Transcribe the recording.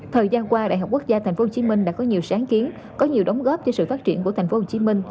thời gian qua đại học quốc gia tp hcm đã có nhiều sáng kiến có nhiều đóng góp cho sự phát triển của tp hcm